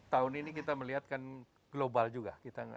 tahun ini kita melihat kan global juga